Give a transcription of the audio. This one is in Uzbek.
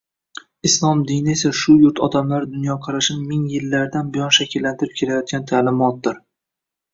Islom dini esa shu yurt odamlari dunyoqarashini ming yildan buyon shakllantirib kelgan ta’limotdir.